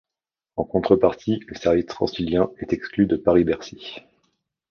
En contrepartie, le service Transilien est exclu de Paris-Bercy.